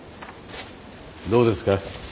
どうですか